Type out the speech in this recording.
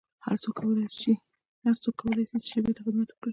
هرڅوک کولای سي چي ژبي ته خدمت وکړي